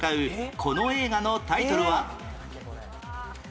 この映画のタイトルは？